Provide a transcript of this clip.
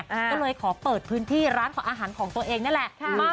ก็เลยขอเปิดพื้นที่ร้านขออาหารของตัวเองนั่นแหละ